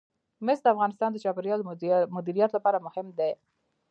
مس د افغانستان د چاپیریال د مدیریت لپاره مهم دي.